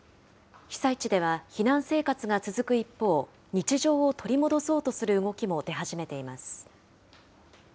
被災地では避難生活が続く一方、日常を取り戻そうとする動きも出始めています。